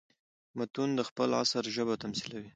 متون د خپل عصر ژبه تميثلوي.